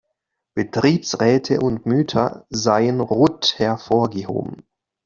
Betriebsräte und Mütter seien rot hervorgehoben.